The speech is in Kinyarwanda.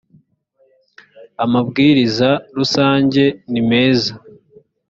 amabwiriza rusange nimeza